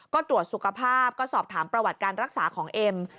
ก็ตรวจสุขภาพก็สอบถามประวัติการรักษาของเอ็ม